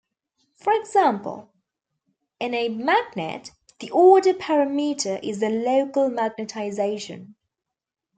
For example, in a magnet, the order parameter is the local magnetization.